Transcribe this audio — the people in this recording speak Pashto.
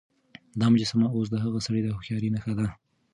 دا مجسمه اوس د هغه سړي د هوښيارۍ نښه ده.